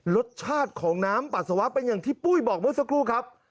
รสชาติของน้ำปัสสาวะเป็นอย่างที่ปุ้ยบอกเมื่อสักครู่ครับ